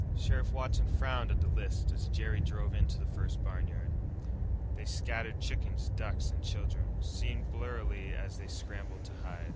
Sheriff Watson frowned at the list as Jerry drove into the first barnyard. They scattered chickens, ducks, and children seen blurrily as they scrambled to hide.